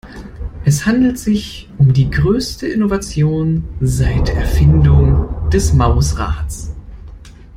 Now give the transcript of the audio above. Es handelt sich um die größte Innovation seit der Erfindung des Mausrads.